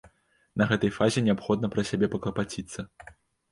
На гэтай фазе неабходна пра сябе паклапаціцца.